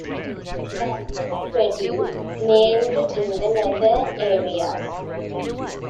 Gas is produced mainly in the northern areas.